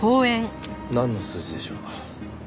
なんの数字でしょう？